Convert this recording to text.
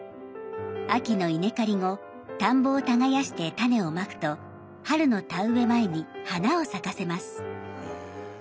秋の稲刈り後田んぼを耕して種をまくと春の田植え前に花を咲かせます。